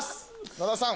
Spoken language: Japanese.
野田さん。